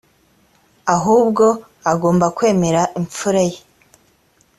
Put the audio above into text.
ahubwo agomba kwemera imfura ye,